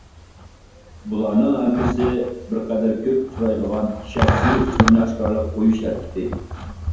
بۇلارنىڭ ھەممىسى بىر قەدەر كۆپ ئۇچرايدىغان شەخسىي ئۇچۇرىنى ئاشكارىلاپ قويۇش ھەرىكىتى.